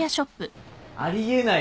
あり得ない